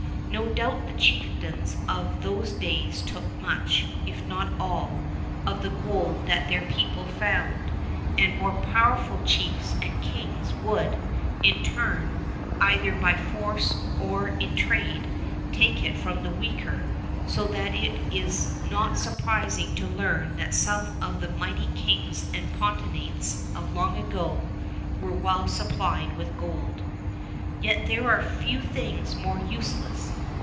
No doubt the chieftains of those days took much, if not all, of the gold that their people found, and more powerful chiefs and kings would, in turn, either by force or in trade, take it from the weaker, so that it is not surprising to learn that some of the mighty kings and potentates of long ago were well supplied with gold. Yet there are few things more useless.